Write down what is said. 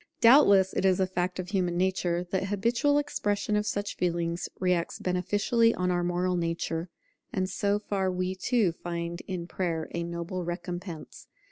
Doubtless it is a fact of human nature, that habitual expression of such feelings reacts beneficially on our moral nature; and so far we, too, find in Prayer a noble recompense.